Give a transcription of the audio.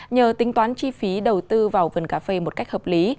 nhờ tính toán chi phí đầu tư vào vườn cà phê một cách hợp lý